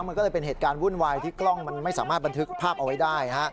มันก็เลยเป็นเหตุการณ์วุ่นวายที่กล้องมันไม่สามารถบันทึกภาพเอาไว้ได้